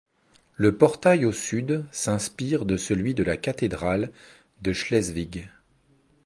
Le portail au sud s'inspire de celui de la cathédrale de Schleswig.